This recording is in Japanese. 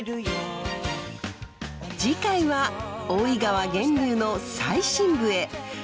次回は大井川源流の最深部へ！